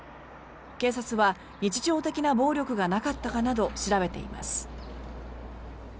警察は日常的な暴力がなかったかなど調べています。